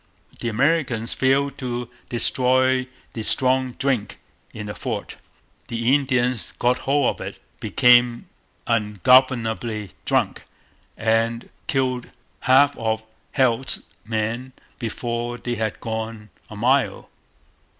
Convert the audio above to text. The Americans failed to destroy the strong drink in the fort. The Indians got hold of it, became ungovernably drunk, and killed half of Heald's men before they had gone a mile.